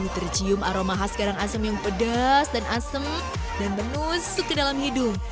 tercium aroma khas garang asem yang pedas dan asem dan menusuk ke dalam hidung